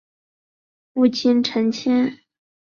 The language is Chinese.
父亲陈谦。